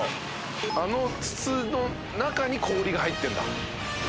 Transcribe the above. あの筒の中に氷が入ってんだ。